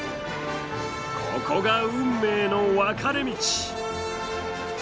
ここが運命の分かれ道！